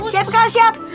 siap kak siap